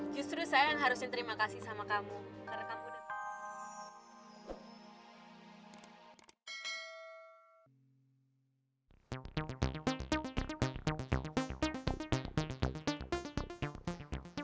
justru saya yang harusnya terima kasih sama kamu